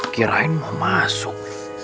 kirain mau masuk